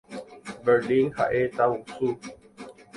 Berlín ha'e tavusu.